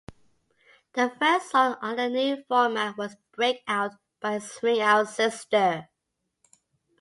The first song under the new format was "Breakout" by Swing Out Sister.